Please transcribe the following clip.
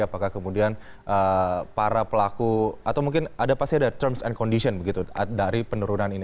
apakah kemudian para pelaku atau mungkin ada pasti ada terms and condition begitu dari penurunan ini